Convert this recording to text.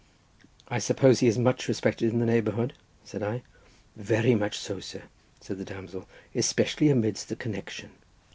"I suppose he is much respected in the neighbourhood?" said I. "Very much so, sir," said the damsel, "especially amidst the connection."